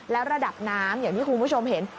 แล้วระดับน้ำอย่างที่คุณผู้ชมเห็น